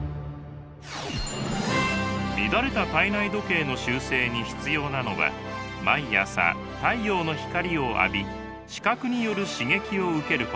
乱れた体内時計の修正に必要なのは毎朝太陽の光を浴び視覚による刺激を受けること。